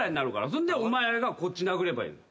そんでお前がこっち殴ればいい。